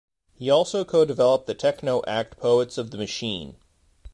He also co-developed the techno act Poets of the Machine.